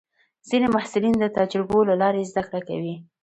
ځینې محصلین د تجربو له لارې زده کړه کوي.